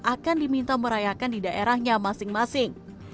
akan diminta merayakan di daerahnya masing masing